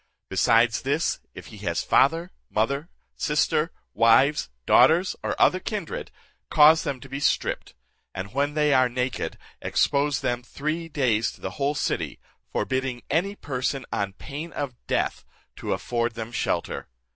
Besides this, if he has father, mother, sister, wives, daughters, or other kindred, cause them to be stripped; and when they are naked, expose them three days to the whole city, forbidding any person on pain of death to afford them shelter.